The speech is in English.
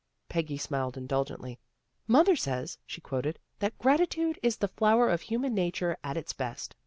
" Peggy smiled indulgently. " Mother says," she quoted, " that ' gratitude is the flower of human nature at its best.'